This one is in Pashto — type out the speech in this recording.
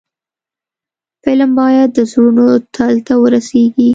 فلم باید د زړونو تل ته ورسیږي